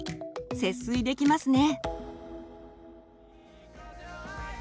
節水できますね。